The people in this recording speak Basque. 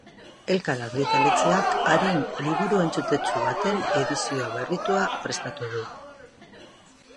Elkar argitaletxeak haren liburu entzutetsu baten edizio berritua prestatu du.